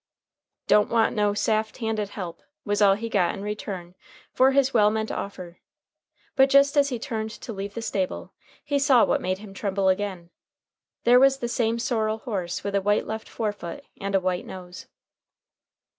"Don't want no saft handed help!" was all he got in return for his well meant offer. But just as he turned to leave the stable he saw what made him tremble again. There was the same sorrel horse with a white left forefoot and a white nose.